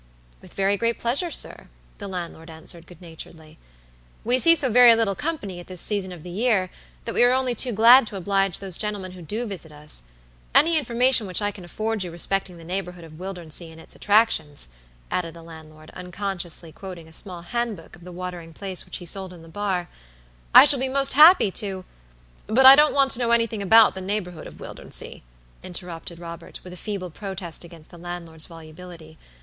"With very great pleasure, sir," the landlord answered, good naturedly. "We see so very little company at this season of the year, that we are only too glad to oblige those gentlemen who do visit us. Any information which I can afford you respecting the neighborhood of Wildernsea and its attractions," added the landlord, unconsciously quoting a small hand book of the watering place which he sold in the bar, "I shall be most happy to" "But I don't want to know anything about the neighborhood of Wildernsea," interrupted Robert, with a feeble protest against the landlord's volubility.